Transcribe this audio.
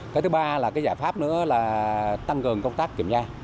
cái thứ ba là cái giải pháp nữa là tăng cường công tác kiểm tra